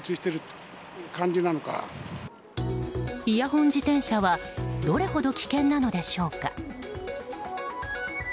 イヤホン自転車はどれほど危険なのでしょうか。